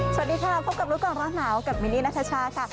สวัสดีค่ะพบกับรู้ก่อนร้อนหนาวกับมินนี่นัทชาค่ะ